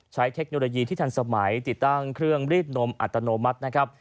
เทคโนโลยีที่ทันสมัยติดตั้งเครื่องรีดนมอัตโนมัตินะครับ